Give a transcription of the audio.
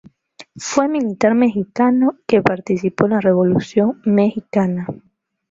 Fue un militar mexicano que participó en la Revolución mexicana.